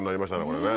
これね。